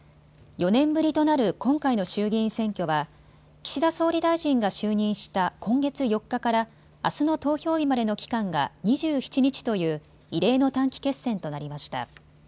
４年ぶりとなる今回の衆議院選挙は岸田総理大臣が就任した今月４日からあすの投票日までの期間が２７日という異例の短期決戦となりました。